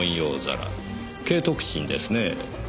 景徳鎮ですねぇ。